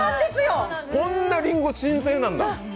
こんな、りんご、新鮮なんだ！